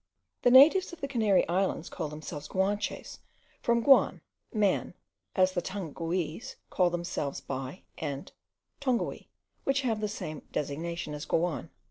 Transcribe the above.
The natives of the Canary Islands called themselves Guanches, from guan, man; as the Tonguese call themselves bye, and tongui, which have the same signification as guan.